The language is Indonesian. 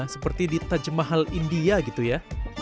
seperti di taj mahal india gitu ya